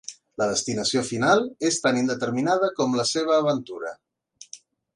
La destinació final és tan indeterminada com la seva aventura.